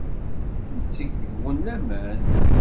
Netteg deg-wen laman.